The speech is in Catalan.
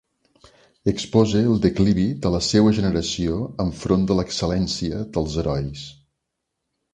Expose el declivi de la seua generació enfront de l'excel·lència dels herois.